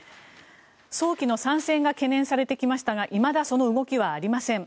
早期の参戦が懸念されてきましたがいまだその動きはありません。